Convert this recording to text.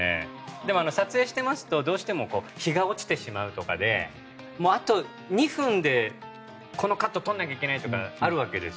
でも撮影していますとどうしても日が落ちてしまうとかあと２分でこのカット撮らなきゃいけないとかあるわけです。